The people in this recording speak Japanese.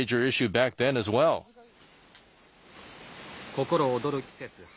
心躍る季節、春。